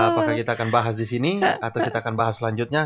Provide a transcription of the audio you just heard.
apakah kita akan bahas di sini atau kita akan bahas selanjutnya